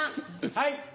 はい。